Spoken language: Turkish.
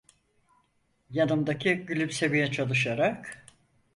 Yanımdaki gülümsemeye çalışarak: